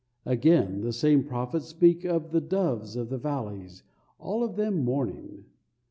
Again the same prophets speak of the "doves of the valleys, all of them mourning."